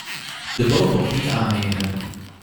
De boot mocht niet aanmeren.